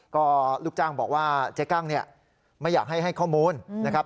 ก็ลูกจ้างบอกว่าเจ๊กั้งเนี่ยไม่อยากให้ให้ข้อมูลนะครับ